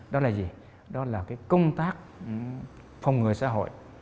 đó là gì đó là công tác phòng người xã hội